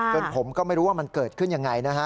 เกิดผมก็ไม่รู้ว่ามันเกิดขึ้นอย่างไร